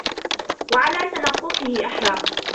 وَعَلَى تَنَقُّصِهِ أَحْرَى